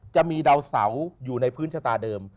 จะมีดาวเสาอยู่ในพื้นชะตาเดิม